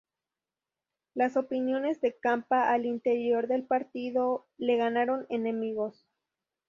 Las opiniones de Campa al interior del partido le ganaron enemigos.